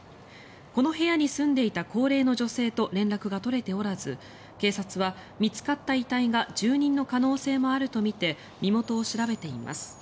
この部屋に住んでいた高齢の女性と連絡が取れておらず警察は見つかった遺体が住人の可能性もあるとみて身元を調べています。